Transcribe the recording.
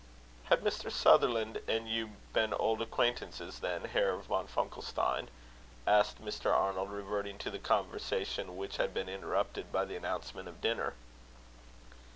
"Had Mr. Sutherland and you been old acquaintances then, Herr von Funkelstein?" asked Mr. Arnold, reverting to the conversation which had been interrupted by the announcement of dinner.